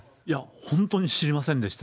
本当に知りませんでした。